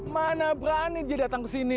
mana berani dia datang kesini